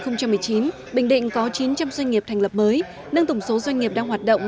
năm hai nghìn một mươi chín bình định có chín trăm linh doanh nghiệp thành lập mới nâng tổng số doanh nghiệp đang hoạt động